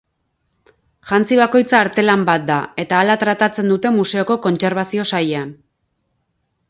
Jantzi bakoitza artelan bat da, eta hala tratatzen dute museoko kontserbazio sailean.